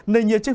nên nhiệt trích